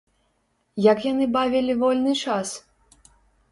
Як яны бавілі вольны час?